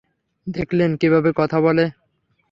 দেখলেন কীভাবে কথা বলে?